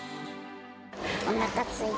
おなかすいた。